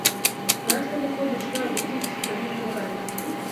Natwe ni ko dushobora gukikizwa n’ingorane